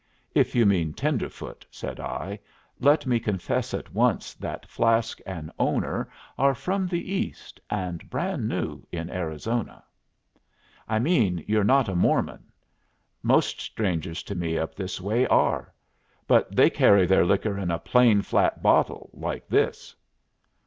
"If you mean tenderfoot," said I, "let me confess at once that flask and owner are from the East, and brand new in Arizona." "I mean you're not a Mormon. Most strangers to me up this way are. But they carry their liquor in a plain flat bottle like this."